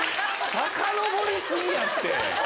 さかのぼり過ぎやて。